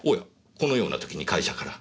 このような時に会社から。